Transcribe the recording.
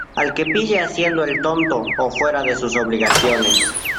al que pille haciendo el tonto o fuera de sus obligaciones